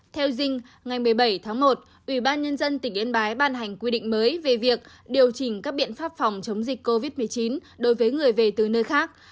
theo dinh ngày một mươi bảy tháng một ubnd tỉnh yên bái ban hành quy định mới về việc điều chỉnh các biện pháp phòng chống dịch covid một mươi chín đối với người về từ nơi khác